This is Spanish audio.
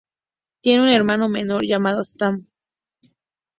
Tiene un hermano menor llamado Sam.